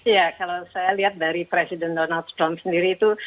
ya kalau saya lihat dari presiden donald trump sendiri itu